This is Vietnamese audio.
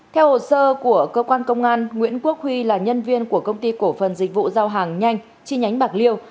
theo hồ sơ của cơ quan công an nguyễn quốc huy là nhân viên của công ty cổ phần dịch vụ giao hàng nhanh chi nhánh bạc liêu